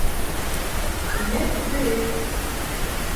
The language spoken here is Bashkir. Тимәк, тере.